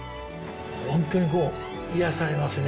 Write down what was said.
本当にこう癒やされますね。